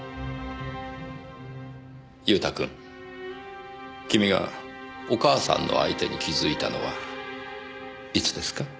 祐太君君がお母さんの相手に気づいたのはいつですか？